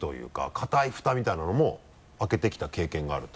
固いフタみたいなのも開けてきた経験があると。